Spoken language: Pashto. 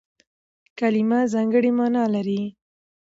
کلیمه ځانګړې مانا لري.